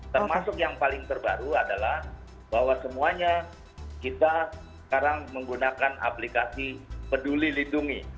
termasuk yang paling terbaru adalah bahwa semuanya kita sekarang menggunakan aplikasi peduli lindungi